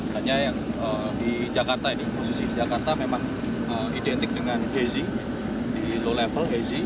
hanya yang di jakarta ini posisi jakarta memang identik dengan gazi di low level hazy